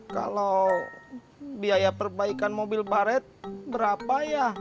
kalau biaya perbaikan mobil baret berapa ya